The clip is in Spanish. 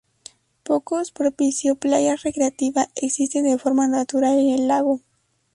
Pocos propicio playas recreativa existen de forma natural en el lago.